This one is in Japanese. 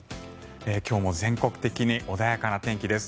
今日も全国的に穏やかな天気です。